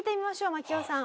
槙尾さん。